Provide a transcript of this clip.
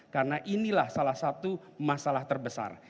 karena inilah salah satu masalah terbesar